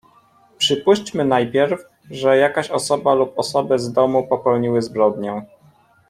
"Przypuścimy najpierw, że jakaś osoba lub osoby z domu popełniły zbrodnię."